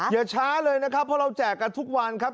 อย่าช้าเลยนะครับเพราะเราแจกกันทุกวันครับ